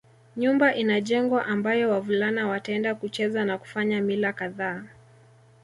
Nyumba inajengwa ambayo wavulana wataenda kucheza na kufanya mila kadhaa